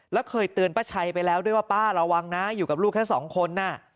แล้วเคยเตือนป้าชัยไปแล้วด้วยว่าป้าระวังนะอยู่กับลูกแค่สองคนน่ะ